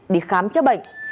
đi khám cho bệnh